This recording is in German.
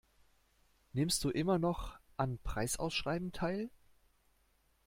Nimmst du immer noch an Preisausschreiben teil?